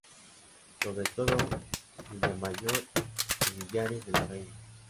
Sobre todo Villamayor y Villares de la Reina.